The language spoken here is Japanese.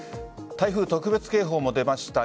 台風特別警報も出ました。